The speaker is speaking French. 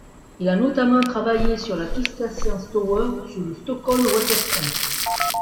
Il a notamment travaillé sur la Kista Science Tower ou sur le Stockholm Waterfront.